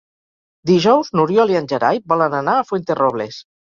Dijous n'Oriol i en Gerai volen anar a Fuenterrobles.